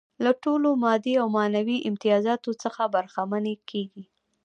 له ټولو مادي او معنوي امتیازاتو څخه برخمنې کيږي.